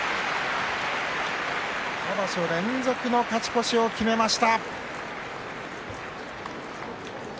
２場所連続の勝ち越しを決めました。